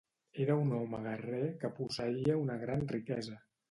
Era un home guerrer que posseïa una gran riquesa.